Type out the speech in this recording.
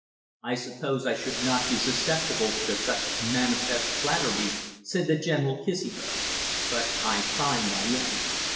"I suppose I should not be susceptible to such manifest flattery," said the general, kissing her, "but I find I am!